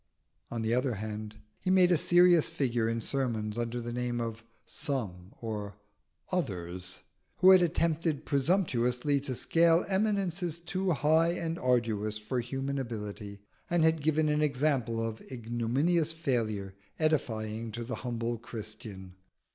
On the other hand, he made a serious figure in sermons under the name of "Some" or "Others" who had attempted presumptuously to scale eminences too high and arduous for human ability, and had given an example of ignominious failure edifying to the humble Christian.